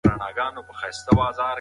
ټولنیز فعالیتونه انزوا له منځه وړي.